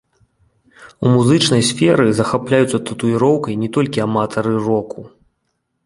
У музычнай сферы захапляюцца татуіроўкай не толькі аматары року.